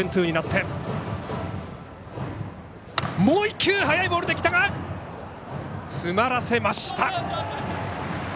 もう１球速いボールできたが詰まらせました。